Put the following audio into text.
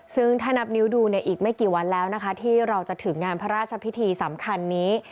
ซึ่งถ้านับนิ้วดูในอีกไม่กี่วันแล้วนะคะที่เราจะถึงงานพระราชพิธีสำคัญนี้